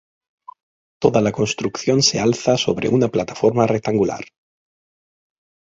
Toda la construcción se alza sobre una plataforma rectangular.